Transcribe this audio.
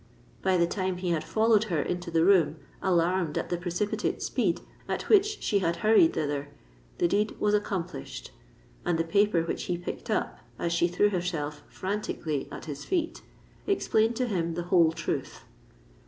By the time he had followed her into the room—alarmed at the precipitate speed with which she had hurried thither—the deed was accomplished; and the paper which he picked up, as she threw herself frantically at his feet, explained to him the whole truth.